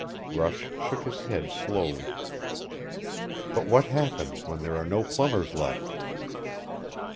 Rush shook his head slowly. "But what happens when there are no plumbers left?"